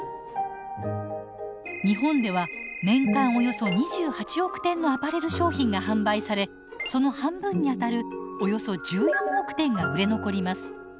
日本では年間およそ２８億点のアパレル商品が販売されその半分にあたるおよそ１４億点が売れ残ります。